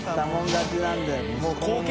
勝ちなんで」